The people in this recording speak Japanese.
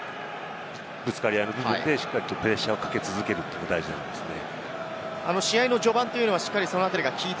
ブレイクダウンと呼ばれるぶつかり合いの部分でしっかりとプレッシャーをかけ続けるのが大事ですね。